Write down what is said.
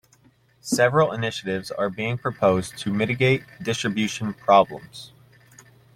Several initiatives are being proposed to mitigate distribution problems.